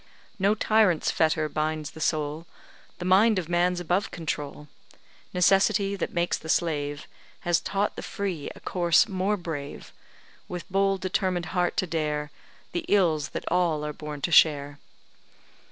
No tyrant's fetter binds the soul, The mind of man's above control; Necessity, that makes the slave, Has taught the free a course more brave; With bold, determined heart to dare The ills that all are born to share.